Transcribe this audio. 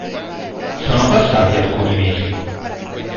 Sono passati alcuni mesi.